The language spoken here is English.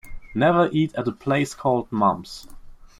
Never eat at a place called Mom's.